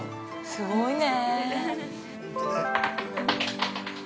すごいね。